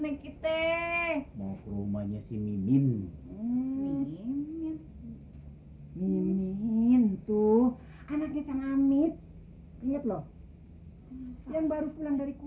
nekite mau rumahnya si mimin mimin mimin tuh anaknya cang amit lihat loh yang baru pulang dari kue